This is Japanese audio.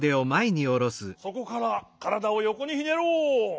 そこからからだをよこにひねろう。